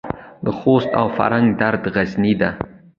د خوست او فرنګ دره غرنۍ ده